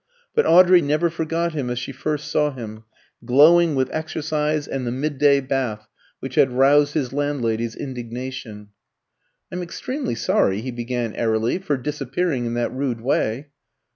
But Audrey never forgot him as she first saw him, glowing with exercise and the midday bath which had roused his landlady's indignation. "I'm extremely sorry," he began airily, "for disappearing in that rude way."